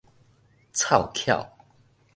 湊巧